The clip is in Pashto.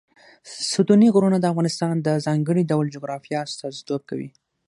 ستوني غرونه د افغانستان د ځانګړي ډول جغرافیه استازیتوب کوي.